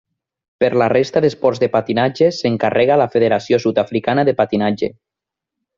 Per la resta d'esports de patinatge s'encarrega la Federació Sud-africana de Patinatge.